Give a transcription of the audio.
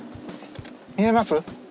見えます？